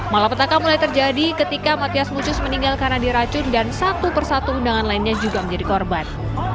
malapetaka mulai terjadi ketika matias mucus meninggal karena diracun dan satu persatu undangan lainnya juga menjadi korban